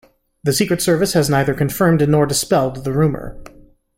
The Secret Service has neither confirmed nor dispelled the rumor.